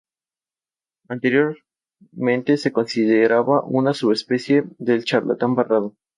Además de estos formatos, se están negociando otras franquicias internacionales de concursos.